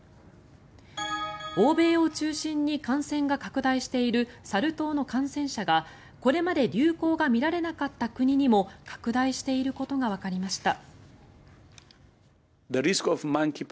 欧米を中心に感染が拡大しているサル痘の感染者が、これまで流行が見られなかった国にも拡大していることがわかりました。